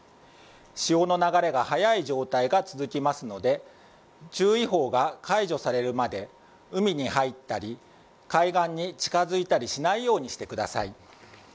潮の流れが速い状態が続きますので注意報が解除されるまで海に入ったり海岸に近づいたりしないようにしてください。